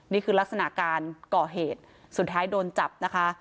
นี่คือลักษณะการก่อเหตุสุดท้ายโดนจับนะคะ